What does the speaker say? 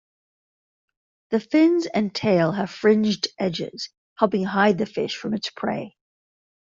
The fins and tail have fringed edges helping hide the fish from its prey.